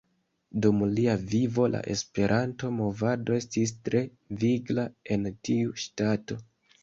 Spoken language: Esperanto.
Dum lia vivo la Esperanto-movado estis tre vigla en tiu ŝtato.